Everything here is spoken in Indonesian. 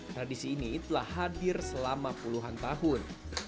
tradisi ini telah hadir selama puluhan tahun